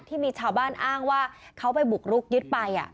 ที่มีชาวบ้านอ้างว่าเขาไปบุกรุกยึดไป